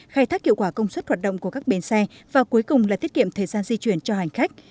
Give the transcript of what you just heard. khai thác hiệu quả công suất hoạt động của các bến xe và cuối cùng là tiết kiệm thời gian di chuyển cho hành khách